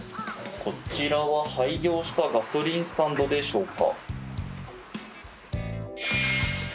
こちらは廃業したガソリンスタンドでしょうか。